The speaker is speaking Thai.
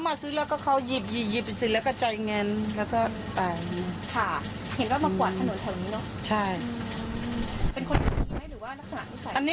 แต่ว่าเขาก็ค่อยไม่พูดใช่มั้ยพี่